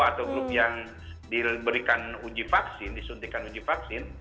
atau grup yang diberikan uji vaksin disuntikan uji vaksin